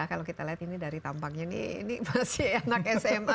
kalau kita lihat ini dari tampangnya ini masih anak sma